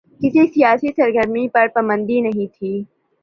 کسی سیاسی سرگرمی پر پابندی نہیں تھی۔